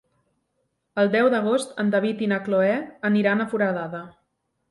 El deu d'agost en David i na Cloè aniran a Foradada.